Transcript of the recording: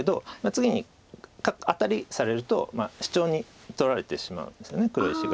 次にアタリされるとシチョウに取られてしまうんですよね黒石が。